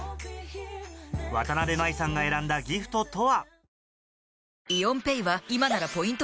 わたなべ麻衣さんが選んだギフトとは？